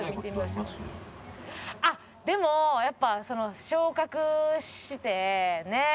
あっでもやっぱ昇格してね